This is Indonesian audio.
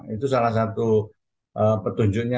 itu salah satu petunjuknya